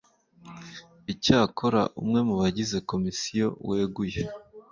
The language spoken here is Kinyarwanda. icyakora umwe mu bagize komisiyo weguye